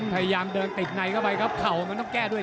ติดในเข้ามันต้องแก้ด้วย